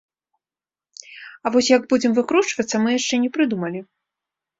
А вось як будзем выкручвацца, мы яшчэ не прыдумалі.